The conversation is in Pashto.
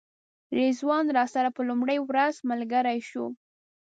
رضوان راسره په لومړۍ ورځ ملګری شو.